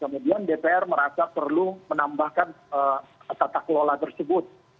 kemudian dpr merasa perlu menambahkan tata kelola tersebut